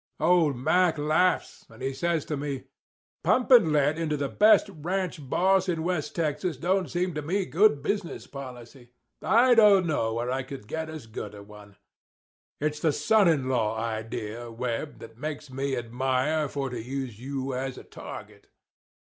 "Old Mac laughs, and he says to me: 'Pumpin' lead into the best ranch boss in West Texas don't seem to me good business policy. I don't know where I could get as good a one. It's the son in law idea, Webb, that makes me admire for to use you as a target.